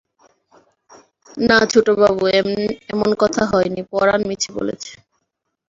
না ছোটবাবু, এমন কথা হয়নি, পরাণ মিছে বলেছে।